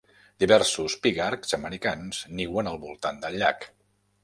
Diversos pigargs americans niuen al voltant del llac.